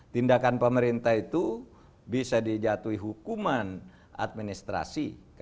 tindakan pemerintah itu bisa dijatuhi hukuman administrasi